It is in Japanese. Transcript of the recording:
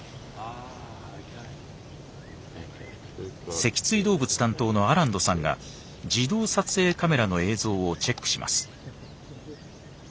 脊椎動物担当のアランドさんが自動撮影カメラの映像をチェックします。